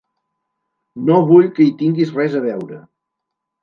No vull que hi tinguis res a veure.